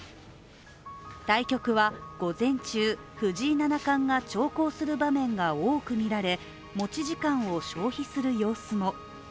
対局は午前中、藤井七冠が長考する場面が多く見られ持ち時間を消費する様子も。